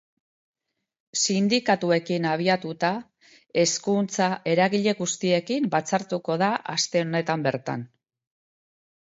Sindikatuekin abiatuta, hezkuntza eragile guztiekin batzartuko da aste honetan bertan.